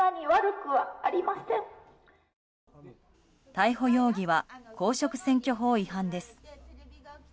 逮捕容疑は公職選挙法違反です。